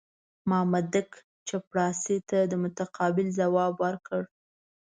مامدک چپړاسي ته متقابل ځواب ورکړ.